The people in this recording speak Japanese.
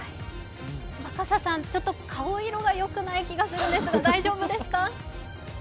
若狭さん、ちょっと顔色がよくない気がするんですが大丈夫ですか？